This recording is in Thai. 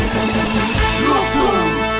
ลูกหนูสู้ชีวิต